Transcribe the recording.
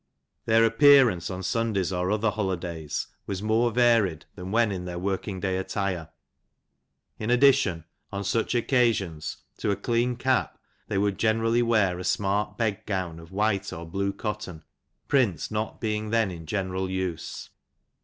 Their appearance VII. on Sundays or other holidays was more varied than when in their working day attire ; in addition, on such occasions, to a clean cap, they would generally wear a smart bed gown of white or blue cotton, prints not being then in general use.